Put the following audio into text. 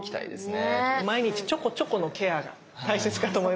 毎日ちょこちょこのケアが大切かと思います。